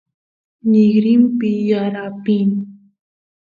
nigrinpi yaar apin